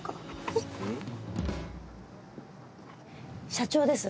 社長です。